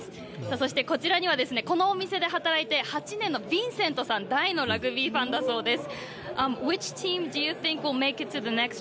そして、こちらにはですね、このお店で働いて８年のヴィンセントさん大のラグビーファンだそうです。